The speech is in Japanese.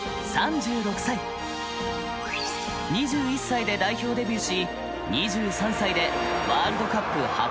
２１歳で代表デビューし２３歳でワールドカップ初出場。